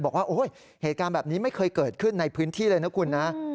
บอกว่าโอ้ยเหตุการณ์แบบนี้ไม่เคยเกิดขึ้นในพื้นที่เลยนะคุณนะ